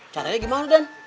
caranya gimana dan